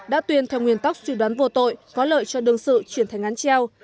đã tuyên theo nguyên tóc xử đoán vô tội có lợi cho đường sự chuyển thành án treo